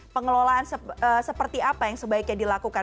pengelolaan seperti apa yang sebaiknya dilakukan